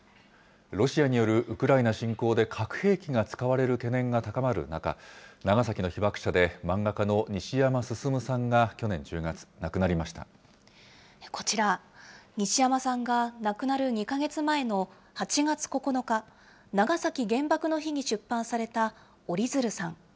ロシアによるウクライナ侵攻で核兵器が使われる懸念が高まる中、長崎の被爆者で漫画家の西山進さんが去年１０月、こちら、西山さんが亡くなる２か月前の８月９日、長崎原爆の日に出版された、おり鶴さん。